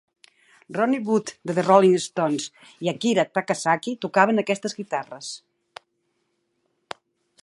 Ronnie Wood de The Rolling Stones i Akira Takasaki tocaven aquestes guitarres.